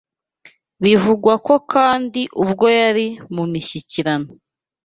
Bivugwa ko kandi ubwo yari mu mishyikirano